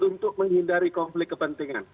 untuk menghindari konflik kepentingan